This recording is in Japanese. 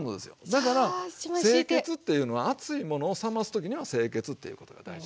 だから清潔っていうのは熱いものを冷ます時には清潔っていうことが大事なんです。